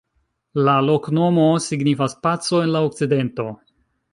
La loknomo signifas: "paco en la okcidento".